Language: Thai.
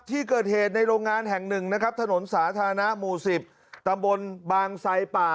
ที่เกิดเหตุในโรงงานแห่งหนึ่งนะครับถนนสาธารณะหมู่๑๐ตำบลบางไซป่า